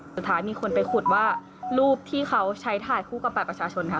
สุดท้ายมีคนไปขุดว่ารูปที่เขาใช้ถ่ายคู่กับบัตรประชาชนค่ะ